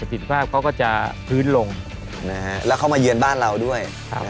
ผิดภาพเขาก็จะพื้นลงนะฮะแล้วเขามาเยือนบ้านเราด้วย